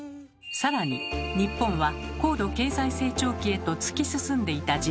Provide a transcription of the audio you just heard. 更に日本は高度経済成長期へと突き進んでいた時代。